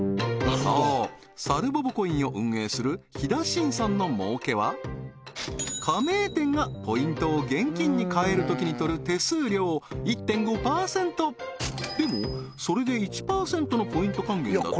さるぼぼコインを運営するひだしんさんの儲けは加盟店がポイントを現金に替えるときに取る手数料１．５％でもそれで１％のポイント還元だと